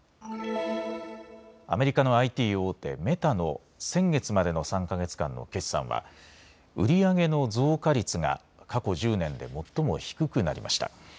アメリカのＩＴ大手、メタの先月までの３か月間の決算は売り上げの増加率が過去１０年で最も低くなりました。